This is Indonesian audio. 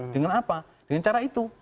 dengan apa dengan cara itu